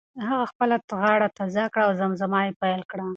هغه خپله غاړه تازه کړه او زمزمه یې پیل کړه.